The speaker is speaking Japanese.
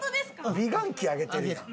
美顔器あげてるやん。